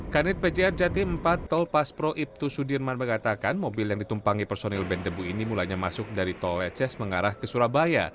kanit pjr jatim empat tol paspro ibtu sudirman mengatakan mobil yang ditumpangi personil band debu ini mulanya masuk dari tol leces mengarah ke surabaya